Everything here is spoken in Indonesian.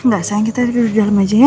gak sayang kita tidur di dalam aja ya